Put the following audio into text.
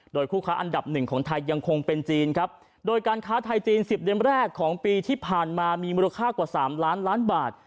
โดยคู่ค้าอันดับหนึ่งของไทยยังคงเป็นจีนครับโดยการค้าไทยจีนสิบเดือนแรกของปีที่ผ่านมามีมูลค่ากว่าสามล้านล้านบาท